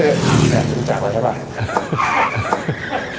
เนี้ยจับแล้วนะบ้าง